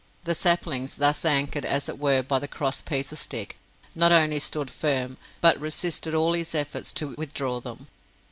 The saplings, thus anchored as it were by the cross pieces of stick, not only stood firm, but resisted all his efforts to withdraw them.